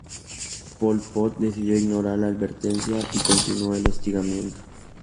Pol Pot decidió ignorar la advertencia y continuó el hostigamiento.